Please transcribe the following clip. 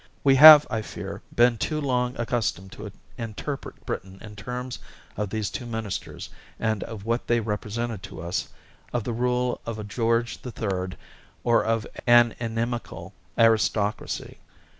We have, I fear, been too long accustomed to interpret Britain in terms of these two ministers and of what they represented to us of the rule of a George the Third or of an inimical aristocracy.